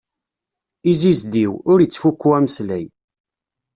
Izzizdiw, ur ittfukku ameslay.